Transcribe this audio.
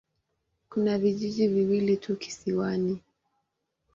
Kuna vijiji viwili tu kisiwani.